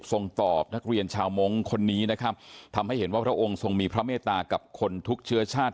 ตอบนักเรียนชาวมงค์คนนี้นะครับทำให้เห็นว่าพระองค์ทรงมีพระเมตตากับคนทุกเชื้อชาติ